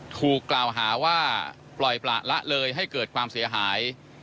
ถูกกล่าวหาว่าปล่อยประละเลยให้เกิดความเสียหาย